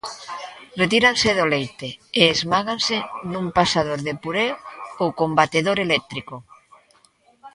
Retíranse do leite e esmáganse nun pasador de puré ou con batedor eléctrico.